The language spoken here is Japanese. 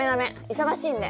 忙しいんで。